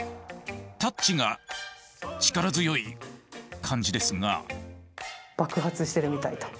タッチが力強い感じですが。